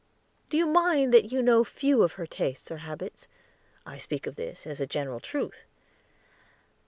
"Do you mind that you know few of her tastes or habits? I speak of this as a general truth."